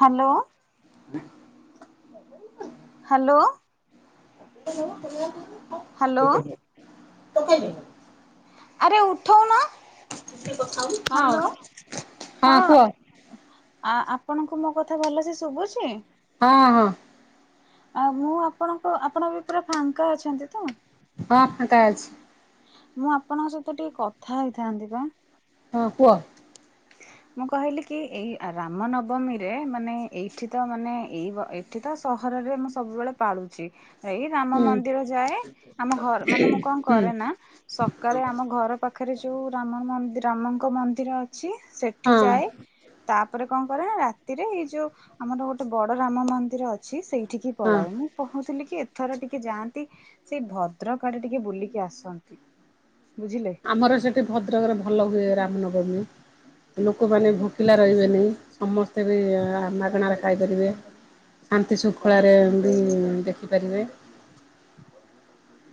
Hello hello. Hello [unintelligible] ଆରେ ଉଠଉନ। ଟିକେ ହ୍ୟାଲୋ କଥାହୋଉନୁ ହଁ ହଁ କୁହ। ଆ ଆପଣଙ୍କୁ ମୋ କଥା ଭଲ ସେ ଶୁବୁଚି? ହଁ ହଁ। ଆ ମୁଁ ଆପଣଙ୍କ ଆପଣ ଏବେ ପୁରା ଫାଙ୍କା ଅଛନ୍ତି ତ? ହଁ ଫାଙ୍କା ଅଛି। ମୁଁ ଆପଣଙ୍କ ସହିତ ଟିକେ କଥା ହେଇଥାନ୍ତି ପା। ହଁ କୁଅ। ମୁଁ କହିଲି କି ଏଇ ରାମ ନବମୀରେ ମାନେ ଏଇଠି ତ ମାନେ ଏଇ ବ ଏଇ ଏଠି ତ ସହରରେ ମୁଁ ସବୁବେଳେ ପାଳୁଚି। ହେଇ ରାମ ହୁଁ ମନ୍ଦିର ଯାଏ ଆମ ଘର ମାନେ ମୁଁ କଣ ହୁଁ କରେ ନା ସକାଳେ ଆମ ଘର ପାଖରେ ଯୋଉ ରାମ ରାମଙ୍କ ମନ୍ଦିର ଅଛି ସେଠି ହଁ ଯାଏ। ତାପରେ କଣ କରେ ନା ରାତିରେ ଏଇ ଯୋଉ ଆମର ଗୋଟେ ବଡ ରାମ ମନ୍ଦିର ଅଛି ଅଛି ସେଇଠିକି ହଁ ପଳାଏ ମୁଁ କହୁଥିଲି କି ଏଥର ଟିକେ ଯାଆନ୍ତି ସେଇ ଭଦ୍ରକ ଆଡେ ଟିକେ ବୁଲିକି ଆସନ୍ତି। ବୁଝିଲେ? ଆମର ସେଠି ଭଦ୍ରକରେ ଭଲ ହୁଏ ରାମନବମୀ। ଲୋକମାନେ ଭୋକିଲା ରହିବେନି ସମସ୍ତେ ବି ମାଗଣାରେ ଖାଇପାରିବେ। ଶାନ୍ତି ଶୃଙ୍ଖଳାରେ ବି ଦେଖିପାରିବେ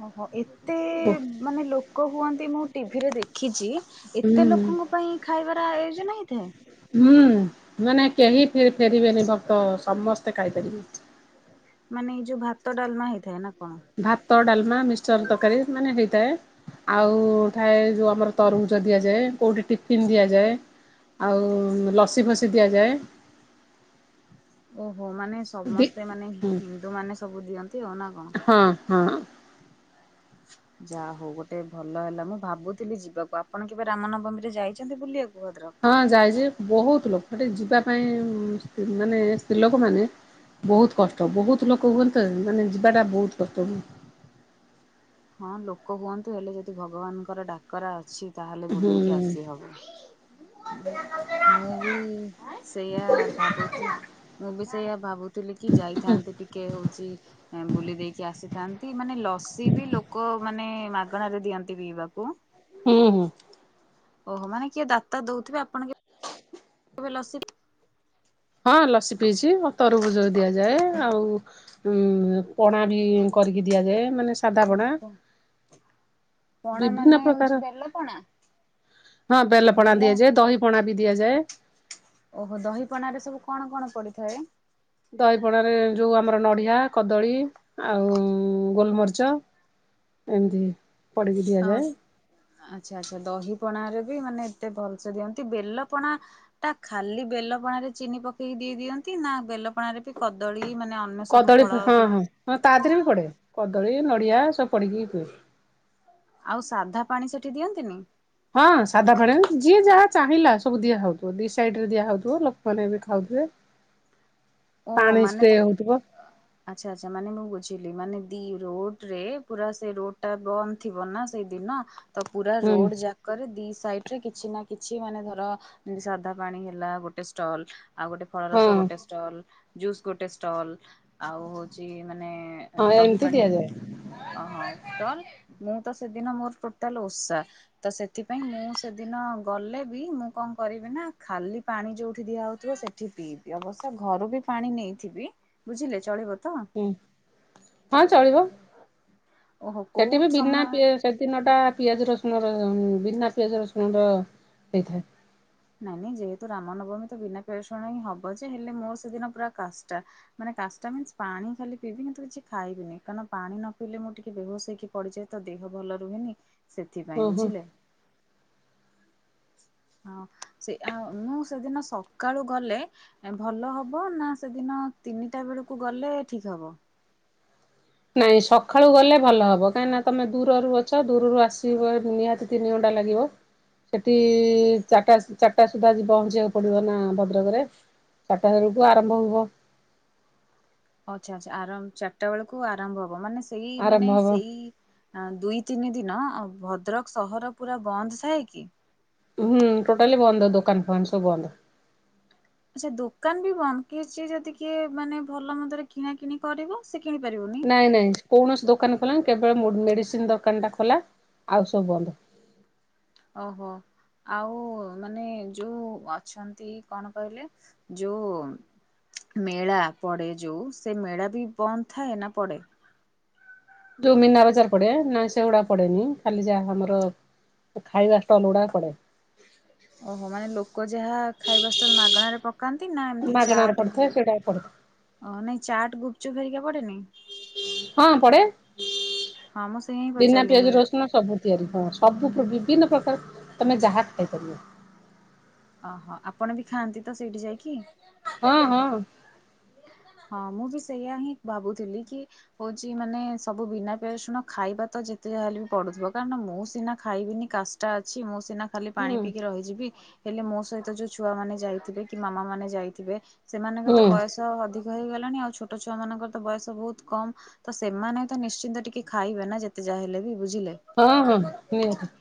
ଓହୋ ଏତେ ହୁଁ ମାନେ ଲୋକ ହୁଅନ୍ତି ମୁଁ ଟିଭିରେ ଦେଖିଚି ଏତେ ଲୋକଙ୍କ ପାଇଁ ଖାଇବାର ଆୟୋଜନ ହେଇଥାଏ? ହୁଁ। ମାନେ କେହି ଫେରିବେନି ଭକ୍ତ ସମସ୍ତେ ଖାଇପାରିବେ। ମାନେ ଏଇ ଯୋଉ ଭାତ ଡାଲମା ହେଇଥାଏ, ନା କଣ? ଭାତ ଡାଲମା ମିକଶ୍ଚର ତରକାରୀ ମାନେ ହେଇଥାଏ। ଆଉ ଥାଏ ଯଉ ଆମର ତରୁଭୁଜ ଦିଆଯାଏ, କୋଉଠି ଟିଫିନ୍ ଦିଆଯାଏ। ଆଉ ଲସି ଫସି ଦିଆଯାଏ। ଓହୋ ମାନେ ଦି ସମସ୍ତେ ମାନେ ହୁଁ ହିନ୍ଦୁ ମାନେ ସବୁ ଦିଅନ୍ତି ଆଉ ନା କଣ? ହଁ ହଁ। ଯା ହଉ ଗୋଟେ ଭଲ ହେଲା, ମୁଁ ଭାବୁଥିଲି ଯିବାକୁ ଆପଣ କେବେ ରାମନବମୀରେ ଯାଇଛନ୍ତି ବୁଲିବାକୁ ଭଦ୍ରକ? ହଁ ଯାଇଛି ବହୁତ ଲୋକ ସେଠି ଯିବା ପାଇଁ ମାନେ ସ୍ତ୍ରୀ ଲୋକମାନେ ବହୁତ କଷ୍ଟ ବହୁତ ଲୋକ ହୁଅନ୍ତି ତ ମାନେ ଯିବାଟା ବହୁତ କଷ୍ଟ ହୁ ହଁ ଲୋକ ହୁଅନ୍ତୁ ହେଲେ ଯଦି ଭଗବାନଙ୍କର ଡାକରା ଅଛି ତାହେଲେ ହୁଁ ବୁଲିକି ଆସିହବ। ମୁଁ ବି ସେଇଆ ଭାବୁଚି। ମୁଁ ବି ସେଇଆ ଭାବୁଥିଲି କି ଯାଇଥାନ୍ତି ଟିକେ ହଉଚି ବୁଲି ଦେଇକି ଆସିଥାନ୍ତି ମାନେ ଲସି ବି ଲୋକ ମାନେ ମାଗଣାରେ ଦିଅନ୍ତି ପିଇବାକୁ। ହୁଁ ହୁଁ। ଓହୋ ମାନେ କିଏ ଦାତା ଦଉଥିବେ ଆପଣ [unintelligible] ହଁ ଲସି ପିଇଚି ମ ତରଭୁଯ ଦିଆଯାଏ ଆଉ ପଣା ବି କରିକି ଦିଆଯାଏ ମାନେ ସାଧାପଣା। ଓହୋ ପଣା ବିଭିନ୍ନ ମାନେ ପ୍ରକାର ହଉଛି ବେଲ ପଣା ହଁ ବେଲ ପଣା ଦିଆଯାଏ ଦହି ପଣା ବି ଦିଆଯାଏ। ଓହୋ ଦହିପଣାରେ ସବୁ କଣ କଣ ପଡିଥାଏ? ଦହି ପଣାରେ ଯୋଉ ଆମର ନଡ଼ିଆ କଦଳୀ ଆଉ ଗୋଲମରିଚ ଏମିତି। ପଡିକି ହଁ ଦିଆଯାଏ ଆଚ୍ଛା ଆଚ୍ଛା ଦହି ପଣା ରେ ବି ମାନେ ଏତେ ଭଲସେ ଦିଅନ୍ତି ବେଲ ପଣା ତା ଖାଲି ବେଲ ପଣାରେ ଚିନି ପକେଇକି ଦେଇ ଦିଅନ୍ତି ନା ବେଲ ପଣରେ ବି କଦଳୀ ମାନେ ଆମ କଦଳୀ ହଁ ହଁ ହଁ ତା ଦେହରେ ବି ପଡେ କଦଳୀ ନଡିଆ ସବୁ ପଡିକିି ହୁଏ। ଆଉ ସାଧା ପାଣି ସେଠି ଦିଅନ୍ତିନି? ହଁ ସାଧା ପାଣି ଯିଏ ଯାହା ଚାହିଁଲା ସବୁ ଦିଆ ହଉଥିବ ଦି ସାଇଡ ରେ ଦିଆ ହଉଥିବ ଲୋକମାନେ ବି ଖାଉଥିବେ। ଓହୋ ପାଣି ମାନେ ସ୍ପ୍ରେ ତ ହଉଥିବ କ। ଆଚ୍ଛା ଆଚ୍ଛା ମାନେ ମୁଁ ବୁଝିଲି ମାନେ ଦି ରୋଡ ରେ ପୁରା ସେ ରୋଡ ଟା ବନ୍ଦ ଥିବ ନା ସେଇଦିନ। ତ ପୁରା ହୁଁ ରୋଡ ଯାକରେ ଦି ସାଇଡ ରେ କିଛି ନା କିଛି ମାନେ ଧର। ତ ସାଧା ପାଣି ହେଲା ଗୋଟେ ଷ୍ଟଲ ଆଉ ଗୋଟେ ଫଳ ହଁ ରସ ଗୋଟେ ଷ୍ଟଲ ଜୁସ ଗୋଟେ ଷ୍ଟଲ। ଆଉ ହଉଛି ମାନେ ହଁ ଦହି ଏମିତି ପାଣି। ଦିଆଯାଏ ଓହୋ ଷ୍ଟଲ ମୁଁ ତ ସେଦିନ ମୋର ଟୋଟାଲ ଓଷା। ତ ସେଥିପାଇଁ ମୁଁ ସେଦିନ ଗଲେ ବି ମୁଁ କଣ କରିବି ନା ଖାଲି ପାଣି ଯୋଉଠି ଦିଆହଉଥିବ ସେ ଠି ପିଇବି ଅବଶ୍ୟ ଘରୁ ବି ପାଣି ନେଇଥିବି ବୁଝିଲେ ଚଳିବ ତ? ହୁଁ ହଁ ଚଳିବ ଓହୋ କୋଉ ସେଠି ବି ବିନା ସମୟ ପିଆ ସେ ଦିନଟା ପିଆଜ ରସୁଣର ବିନା ପିଆଜ ରସୁଣର ହେଇଥାଏ। ନାଇଁ ନାଇଁ ଯେହେତୁ ରାମ ନବମୀ ତ ବିନା ପିଆଜ ରସୁଣ ହିଁ ହବ ଯେ ହେଲେ ମୋର ସେଦିନ ପୁରା କାଷ୍ଟା। ମାନେ କାଷ୍ଟା ପାଣି ଖାଲି ପିଇବି ତ କିଛି ଖାଇବିନି କାରଣ ପାଣି ନ ପିଇଲେ ମୁଁ ଟିକେ ବେହୋସ ହେଇକି। ପଡିଯାଏ ତ ଦେହ ଭଲ ରୁହେନି ସେଥିପାଇଁ ଓହୋ। ବୁଝିଲେ? ହଁ ସେ ଆଉ ମୁଁ ସେଦିନ ସକାଳୁ ଗଲେ। ଭଲ ହବ ନା ସେଦିନ ତିନିଟା ବେଳକୁ ଗଲେ ଠିକ ହବ? ନାଇଁ ସକାଳୁ ଗଲେ ଭଲ ହବ କାହିଁକି ନା ତମେ ଦୂରରୁ ଅଛ ଦୂରରୁ ଆସିବ ନିହାତି ତିନି ଘଣ୍ଟା ଲାଗିବ। ସେଠି ଚାରଟା ଚାରଟା ସୁଦ୍ଧା ଆଜି ପହଞ୍ଚିବାକୁ ପଡ଼ିବ ନା ଭଦ୍ରକରେ? ଚାରିଟା ବେଳଠୁ ଆରମ୍ଭ ହବ? ଆଚ୍ଛା ଆଚ୍ଛା ଆରମ୍ ଚାରିଟା ବେଳକୁ ଆରମ୍ଭ ହବ ମାନେ ସେଇ ଆରମ୍ଭ ମାନେ ହବ ସେଇ ହଁ ଦୁଇ ତିନି ଦିନ ଭଦ୍ରକ ସହର ପୁରା ବନ୍ଦ ଥାଏ କି? ହୁଁ ଟୋଟାଲି ବନ୍ଦ ଦୋକାନ ଫୋକାନ ସବୁ ବନ୍ଦ। ଆଚ୍ଛା ଦୋକାନ ବି ବନ୍ଦ କିଛି ଯଦି କିଏ ମାନେ ଭଲ ମନ୍ଦରେ କିଣା କିିଣି କରିବ ସେ କିଣି ପାରିବନି। ନାଇଁ ନାଇଁ କୌଣସି ଦୋକାନ ଖୋଲାନି କେବଳ ମେଡିସିନ ଦୋକାନ ଟା ଖୋଲା ଆଉ ସବୁ ବନ୍ଦ। ଓହୋ। ଆଉ ମାନେ ଯୋଉ ଅଛନ୍ତି କଣ କହିଲେ ଯୋଉ? ମେଳା ପଡେ ଯୋଉ ସେ ମେଳା ବି ବନ୍ଦ ଥାଏ ନା ପଡେ? ଯୋଉ ମୀନା ବଜାର ପଡେ ନା ସେଗୁଡା ପଡେନି ଖାଲି ଯାହା ଆମର ଖାଇବା ଷ୍ଟଲ ଗୁଡ଼ା ପଡେ। ଓହୋ ମାନେ ଲୋକ ଯାହା ଖାଇବା ଷ୍ଟଲ ମାଗଣାରେ ପ ପକାନ୍ତି ନା ଏମିତି ମାଗଣାରେ ଚାଟ ପଡିଥାଏ ସେଇଟା ପଡେ ନାଇଁ ଚାଟ୍ ଗୁପଚୁପ୍ ହେରିକା ପଡେନି? ହଁ ପଡେ ହଁ ମୁଁ ସେୟା ହିଁ ବିନା ପଚାରିଲି ମି ପିଆଜ ରସୁଣ। ସବୁ ତିଆରି ହଁ ସବୁ ବିଭିନ୍ନ ପ୍ରକାର ତମେ ଯାହା ଖାଇପାରିବ? ଓହୋ ଆପଣ ବି ଖାଆନ୍ତି ତ ସେଇଠି ଯାଇକି? ହଁ ହଁ। ହଁ ମୁଁ ବି ସେଇଆ ହିଁ ଭାବୁଥିଲି କି? ହଉଛି ମାନେ ସବୁ ବିନା ପସୁଣ ଖାଇବା ତ ଯେତେ ଯାହା ହେଲେ ବି ପଡୁଥିବ କାରଣ ମୁଁ ସିନା ଖାଇବିନି କାଶ ଟା ଅଛି ମୁଁ ସିନା ଖାଲି ପାଣି ହୁଁ ପିଇକି ରହିଯିବି ହେଲେ ମୋ ସହିତ ଯୋଉ ଛୁଆ ମାନେ ଯାଇଥିବେ କି ମାମା ମାନେ ଯାଇଥିବେ। ସେମାନଙ୍କର ତ ହୁଁ ବୟସ ଅଧିକ ହେଇଗଲାଣି ଆଉ ଛୋଟ ଛୁଆ ମାନଙ୍କର ତ ବୟସ ବହୁତ କମ। ତ ସେମାନେ ତ ନିଶ୍ଚିନ୍ତ ଟିକେ ଖାଇବେ ନା ଯେତେ ଯାହା ହେଲେ ବି ବୁଝିଲେ? ହଁ ହଁ ନିହାତି।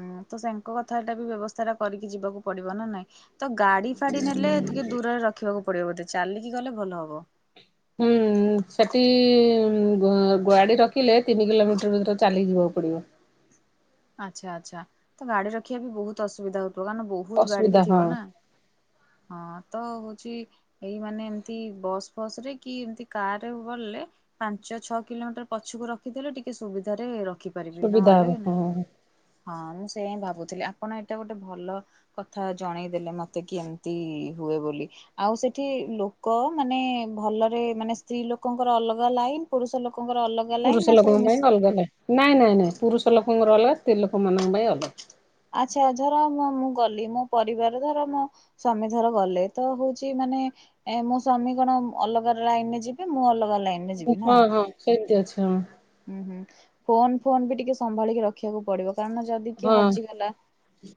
ହୁଁ ତ ସେଙ୍କ କଥା ଟା ବି ବ୍ୟବସ୍ଥା ଟା କରିକି ଯିବାକୁ ପଡିବ ନା ନାଇଁ? ତ ଗାଡି ଫାଡି ନେଲେ ଟିକେ ଦୂରରେ ରଖିବାକୁ ପଡିବ ବୋଧେ ଚାଲିକି ଗଲେ ଭଲ ହବ। ହୁଁ। ସେଠି ଗାଡି ରଖିଲେ ତିନି କିଲୋମିଟର ଭିତରେ ଚାଲି ଯିବାକୁ ପଡିବ? ଆଚ୍ଛା ଆଚ୍ଛା ତ ଗାଡି ରଖିବା ବି ବୋହୁତ ଅସୁବିଧା ହୋଉଥିବ କାରଣ ବୋ ବୋହୁତ ଗାଡି ବି ଅସୁବିଧା ହଁ ଥିବ ନା ହଁ ତ ହୋଉଚି। ଏଇ ମାନେ ଏମିତି ବସ୍ ଫସ ରେ କି ଏମିତି କାର ରେ ଗଲେ ପାଞ୍ଚ ଛଅ କିଲୋମିଟର ପଛକୁ ରଖିଦେଲେ ଟିକେ ସୁବିଧାରେ ରଖି ପାରିବି ସୁବିଧା ନହେଲେ ହବ ନା ହଁ ହଁ ମୁଁ ସେ ହିଁ ଭାବୁଥିଲି ଆପଣ ଏଇଟା ଗୋଟେ ଭଲ କଥା ଜଣେଇଦେଲେ ମତେ କି ଏମିତି ହୁଏ ବୋଲି। ଆଉ ସେଠି ଲୋକ ମାନେ ଭଲରେ ମାନେ ସ୍ତ୍ରୀ ଲୋକଙ୍କର ଅଲଗା ଲାଇନ ପୁରୁଷ ଲୋକଙ୍କର ଅଲଗା ଲାଇନ ପୁରୁଷ ନା ସବୁ ଲୋକଙ୍କ ପାଇଁ ମିଶି ଅଲଗା ଲାଇନ୍ ନାଇଁ ନାଇଁ ନାଇଁ ପୁରୁଷ ଲୋକଙ୍କର ଅଲଗା ସ୍ତ୍ରୀ ଲୋକ ମାନଙ୍କ ପାଇଁ ଅଲଗା। ଆଚ୍ଛା ଧର ମୁଁ ମୁଁ ଗଲି ମୋ ପରିବାର ଧର ମୋ ସ୍ୱାମୀ ଧର ଗଲେ ତ ହୋଉଚି ମାନେ ଏ ମୋ ସ୍ଵାମୀ କଣ ଅଲଗା ଲାଇନ ରେ ଯିବେ ମୁଁ ଅଲଗା ଲାଇନ ରେ ଯିବି ନା ହଁ ହଁ ସେମିତି ଅଛି ହଁ। ହୁଁ ହୁଁ ଫୋନ ଫୋନ ବି ଟିକେ ସମ୍ଭାଳିକି ରଖିବାକୁ ପଡିବ କାରଣ ଯଦି କିଏ ହଁ ହଜିଗଲା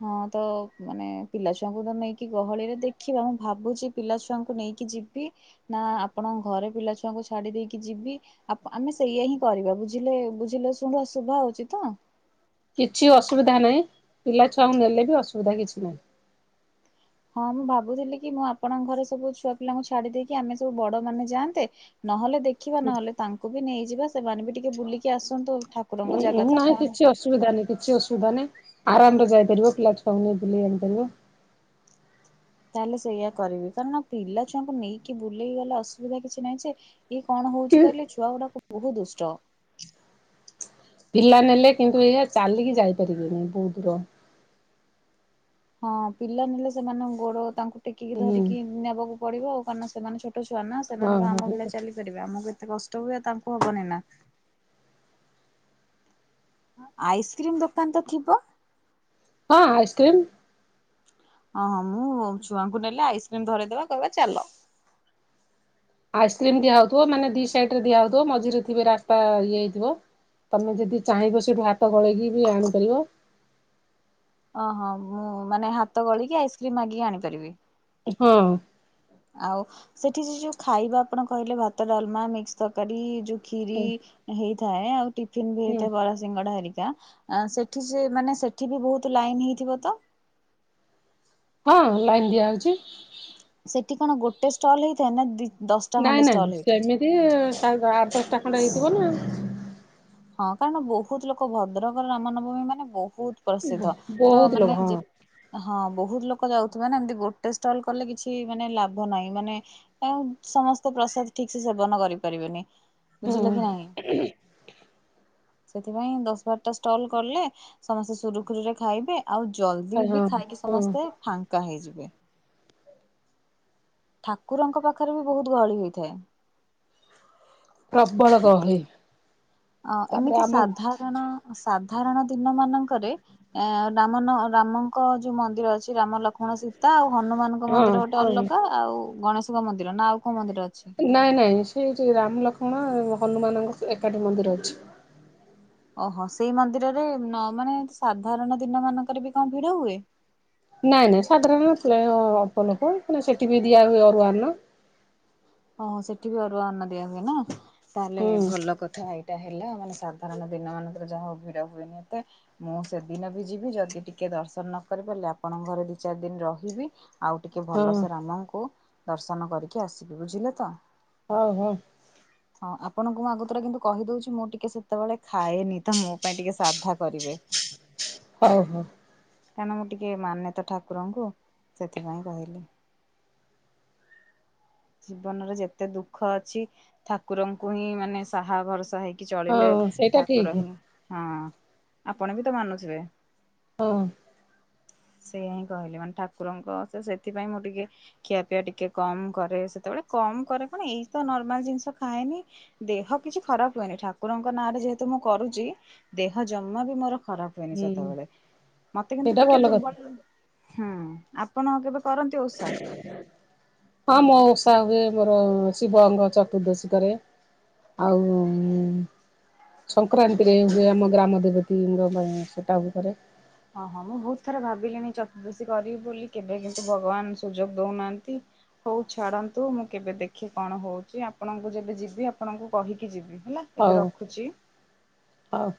ହଁ ତ ମାନେ ପିଲାଛୁଆଙ୍କୁ ତ ନେଇକି ଗହଳିରେ ଦେଖିବା ମୁଁ ଭାବୁଚି ପିଲାଛୁଆଙ୍କୁ ନେଇକି ଯିବି ନା ଆପଣ ଘରେ ପିଲାଛୁଆଙ୍କୁ ଛାଡି ଦେଇକି ଯିବି ଆମେ ସେଇଆ ହିଁ କରିବା ବୁଝିଲେ ବୁଝିଲେ ଶୁଭା ସୁଭା ହୋଉଚି ତ? କିଛି ଅସୁବିଧା ନାହିଁ ପିଲା ଛୁଆଙ୍କୁ ନେଲେ ବି ଅସୁବିଧା କିଛି ନାହିଁ। ହଁ ମୁଁ ଭାବୁଥିଲି କି ମୁଁ ଆପଣଙ୍କ ଘରେ ସବୁ ଛୁଆ ପିଲାଙ୍କୁ ଛାଡି ଦେଇକି ଆମେ ସବୁ ବଡ ମାନେ ଯାଆନ୍ତେ। ନହେଲେ ଦେଖିବା ନହେଲେ ତାଙ୍କୁ ବି ନେଇଯିବା ସେମାନେ ବି ଟିକେ ବୁଲିକି ଆସନ୍ତୁ ଠାକୁ ଠାକୁରଙ୍କ ଉଁ ଉଁ ଜାଗା ତ ନାଇଁ କଣ। କିଛି ଅଶୁବିଧା ନାହି କିଛି ଅସୁବିଧା ନାାଇଁ ଆରାମରେ ଯାଇପାରିବ ପିଲା ଛୁଆଙ୍କୁ ନେଇକି ବୁଲେଇ ଆଣିପାରିବ। ତାହେଲେ ସେଇୟଆ କରିବି କାରଣ ପିଲାଛୁଆଙ୍କୁ ନେଇକି ବୁଲେଇି ଗଲେ ଅସୁବିଧା କିଛି ନାହିଁ ଯେ ଇଏ କଣ କି ହୋଉଚି କହିଲେ ଛୁଆ ଗୁଡା ବୋହୁତ ଦୁଷ୍ଟ। ପିଲା ନେଲେ କିନ୍ତୁ ଏଇଆ ଚାଲିକି ଯାଇପାରିବେନି ବୋହୁତ ଦୂର। ହଁ ପିଲା ନେଲେ ସେମାନେ ଗୋଡ ତାଙ୍କୁ ଟେକିକି ହୁଁ ଧରିକି ନେବାକୁ ପଡିବ ଆଉ କାରଣ ସେମାନେ ଛୋଟ ଛୋଟ ଛୁଆ ନା ହଁ ସେମାନଙ୍କ ଆମ ହଁ ଭଳିଆ ଚାଲିପାରିବେ ଆମକୁ ଏତେ କଷ୍ଟ ହୁଏ ତାଙ୍କୁ ହବନି ନା। ଆଇସ୍କ୍ରିମ ଦୋକାନ ତ ଥିବ? ହଁ ଆଇସ୍କ୍ରିମ ହଁ ହଁ ମୁଁ ଛୁଆଙ୍କୁ ନେଲେ ଆଇସ୍କ୍ରିମ ଧରଇଦବା କହିବା ଚାଲ। ଆଇସ୍କ୍ରିମ ଦିଆ ହୋଉଥିବ ମାନେ ଦିଇ ସାଇଟି ରେ ଦିଆ ହୋଉଥିବ ମଝିରେ ଥିବେ ରାସ୍ତା ଇଏ ହେଇଥିବ। ତମେ ଯଦି ଚାହିଁବ ସେଇଠୁ ହାତ ଗୋଳେଇକି ବି ଆଣିପାରିବ। ଓହୋ ମୁଁ ମାନେ ହାତ ଗଳିକି ଆଇସ୍କ୍ରିମ୍ ମାଗିକି ଆଣିପାରିବି। ହଁ। ଆଉ ସେଠି ଯ ଯୋଉ ଖାଇବା ଆପଣ କହିଲେ ଭାତ ଡାଲମା ମିକ୍ସ ତରକାରୀ ଯୋଉ ଖିରି ହେଇଥାଏ ଆଉ ଟିଫିନ ବି ହଁ ହେଇଥାଏ ବ ସିଙ୍ଗାରିକା ସେଠି ସେ ମାନେ ସେଠି ବି ବୋହୁତ ଲାଇନ ହେଇଥିବ ତ? ହଁ ଲାଇନ ଦିଆହେଉଚି। ସେଠି କଣ ଗୋଟେ ଷ୍ଟଲ୍ ହେଇଥାଏ ନା ଦିଇ ଦଶ ନାଇଁ ନାଇଁ ସେମିତି ଆଠ ଦଶଟା ଖଣ୍ଡେ ହେଇଥିବ ନା। ହଁ କାରଣ ବୋହୁତ ଲୋକ ଭଦ୍ରକରେ ରାମ ନବମୀ ମାନେ ବୋହୁ ବୋହୁତ ପ୍ରସିଦ୍ଧ ତ ବହୁତ ଲୋକ ମାନେ ଯେ ହଁ। ହଁ ବୋହୁତ ଲୋକ ଯାଉଥିବା ନା ଏମିତି ଗୋଟେ ଷ୍ଟଲ କଲେ କିଛି ମାନେ ଲାଭ ନାହିଁ ମାନେ ଆଉ ସମସ୍ତେ ପ୍ରସାଦ ଠିକ୍ ସେ ସେବନ କରିପାରିବେନି ବୁଝିଲେ କି ନହିଁ? ସେଥିପାଇଁ ଦଶ ବାରଟା ଷ୍ଟଲ କଲେ ସମସ୍ତେ ସୁରୁଖୁରୁରେ ଖାଇବେ। ଆଉ ଜଲଦି ହଁ ହଁ ବି ଖାଇକି ହଁ ସମସ୍ତେ ଫାଙ୍କା ହେଇଯିବେ। ଠାକୁରଙ୍କ ପାଖରେ ବି ବହୁତ ଗହଳି ହୋଇଥାଏ। ପ୍ରବଳ ଗହଳି। ଅ ତାପରେ ଏମିତି ଆମ ସାଧାରଣ ସାଧାରଣ ଦିନ ମାନଙ୍କରେ ଆ ରାମ ନ ରାମଙ୍କ ଯୋଉ ମନ୍ଦିର ଅଛି, ରାମ, ଲକ୍ଷ୍ମଣ, ସୀତ ତା ଆଉ ହନୁମାନଙ୍କ ହଁ ମନ୍ଦିର ଗୋଟେ ହଁ ଅଲଗା ଆଉ ଗଣେଶଙ୍କ ମନ୍ଦିର ନା ଆଉ କୋଉ ମନ୍ଦିର ଅଛି। ନାଇଁ ନାଇଁ ସେଇଠି ରାମ ଲକ୍ଷ୍ମଣ ହନୁମାନଙ୍କ ଏକାଠି ମନ୍ଦିର ଅଛି। ଓହୋ ସେଇ ମନ୍ଦିରରେ ମାନେ ସାଧାରଣ ଦିନ ମାନଙ୍କରେ ବି କଣ ଭିଡ ହୁଏ। ନାଇଁ ନାଇଁ ସାଧାରଣ ଅଳ୍ପ ଲୋକ ସେଠି ବି ଦିଆ ହୁଏ ଅରୁଆ ଅର୍ଣ୍ଣ। ହଁ ସେଠି ବି ଆରୁ ଆନ ଦିଆ ହୁଏ ନା ତାହେଲେ ହୁଁ ଭଲ କଥା ଏଇ। ଏଟା ହେଲା ମାନେ ସାଧାରଣ ଦିନ ମାନଙ୍କରେ ଯାହାହଉ ଭିଡ ହୁଏନି ଏତେ। ମୁଁ ସେଦିନ ବି ଯିବି ଯଦି ଟିକେ ଦର୍ଶନ ନକରି ପାରିଲି ଆପଣଙ୍କ ଘରେ ଦି ଚାରି ଦିନ ରହିବି। ଆଉ ଟିକେ ହଁ ଭଲସେ ରାମଙ୍କୁ ଦର୍ଶନ କରିକି ଆସିବି ବୁଝିଲେ ତ। ହଉ ହଉ। ହଁ ଆପଣଙ୍କୁ ମୁଁ ଆଗୁତୁରା କିନ୍ତୁ କହିଦଉଛି ମୁଁ ଟିକେ ସେତେବେଳେ ଖାଏନି ତ ମୋ ପାଇଁ ଟିକେ ସାଧା କରିବେ। ହଉ ହଉ। କାହିଁକଣନା ମୁଁ ଟିକେଏ ମାନେତ ଠାକୁରଙ୍କୁ ସେଥିପାଇଁ କହିଲି। ଜୀବନରେ ଯେତେ ଦୁଃଖ ଅଛିସ ଠାକୁରଙ୍କୁ ହିଁ ମାନେ ସାହା ଭରସା ହେଇ କି ଚଳିଲେ ହଁ ସେଇଟା ଠାକୁର ଠିକ ହିଁ ହଁ ଆପଣ ବି ତ ମାନୁଥିବେ। ହଁ। ସେଇଆ ହିଁ କହିଲେ ମାନେ ଠାକୁରଙ୍କ ସେ ସେଥିପାଇଁ ମୁଁ ଟିକେ ଖିଆ ପିଇବା ଟିକେ କମ୍ କରେ ସେତେବେଳେ କମ୍ କରେ କଣ ଏଇ ତ ନର୍ମାଲ ଜିନିଷ ଖାଏନି। ଦେହ କିଛି ଖରାପ ହୁଏନି ଠାକୁରଙ୍କ ନାଁରେ ଯେହେତୁ ମୁଁ କରୁଛି ଦେହ ଜମା ବି ମୋର ଖରାପ ହୁଏନି ହୁଁ ସେତେବେଳେ ମତେ କିନ୍ତୁ ସେଇଟା ଟିକେ ଭଲ କଥା। ଦୁର୍ବଳ ହୁଁ ଆପଣ କେବେ କରନ୍ତି ଓଷା? ହଁ ମୋ ଓଷା ହୁଏ ମୋର ଶିବଙ୍କ ଚତୁର୍ଦ୍ଦଶୀ କରେ। ଆଉ ସଂକ୍ରାନ୍ତିରେ ହୁଏ ଆମ ଗ୍ରାମ ଦେବତୀ ଙ୍କ ପାଇଁ ସେଟା ବି କରେ। ହଁ ହଁ ମୁଁ ବହୁତ ଥର ଭାବିଲିଣିି ଚତୁର୍ଦ୍ଶୀ କରିବି ବୋଲି କେବେ କିନ୍ତୁ ଭଗବାନ ସୁଯୋଗ ଦଉନାହାନ୍ତି। ହଉ ଛାଡ଼ନ୍ତୁ ମୁଁ କେବେ ଦେଖି କଣ ହଉଛି ଆପଣଙ୍କୁ ଯେବେ ଯିବି ଆପଣଙ୍କୁ କହିକି ଯିବି ହେଲା। ଏବେ ହଉ ରଖୁଛି। ହଉ।